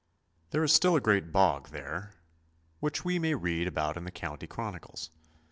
There is still a great bog there, which we may read about in the county chronicles.